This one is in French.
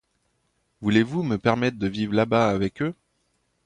Voulez-vous me permettre de vivre là-bas avec eux?